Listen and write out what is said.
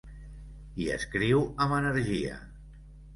Hi escriu amb energia.